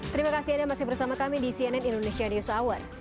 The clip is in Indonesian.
terima kasih anda masih bersama kami di cnn indonesia news hour